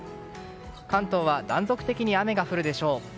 関東は断続的に雨が降るでしょう。